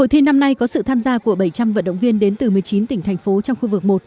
hội thi năm nay có sự tham gia của bảy trăm linh vận động viên đến từ một mươi chín tỉnh thành phố trong khu vực một